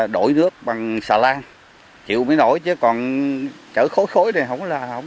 đổi nước bằng sào lan chịu mới nổi chứ còn